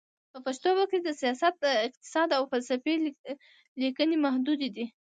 په پښتو ژبه د سیاست، اقتصاد، او فلسفې لیکنې محدودې دي.